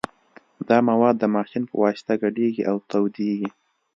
دا مواد د ماشین په واسطه ګډیږي او تودیږي